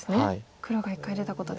黒が１回出たことで。